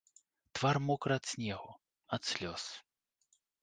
Твар мокры ад снегу, ад слёз.